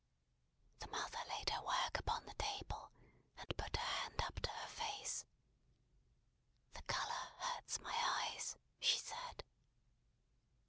The mother laid her work upon the table, and put her hand up to her face. "The colour hurts my eyes," she said.